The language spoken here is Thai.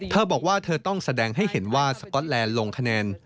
เธอบอกว่าเธอต้องแสดงให้เห็นว่าสก๊อตแลนด์ลงคะแนน